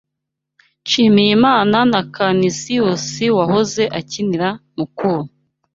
Nshimiyimana Canisius wahoze akinira Mukura